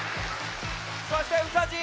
そしてうさじい！